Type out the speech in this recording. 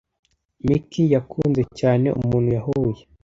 Miki yakunze cyane umuntu yahuye.